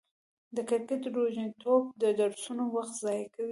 د کرکټ روږديتوب د درسونو وخت ضايع کوي.